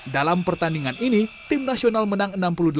dalam pertandingan ini tim nasional menang enam puluh delapan delapan puluh satu